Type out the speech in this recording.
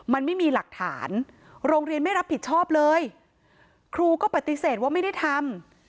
มันไม่มีหลักฐานโรงเรียนไม่รับผิดชอบเลยครูก็ปฏิเสธว่าไม่ได้ทำ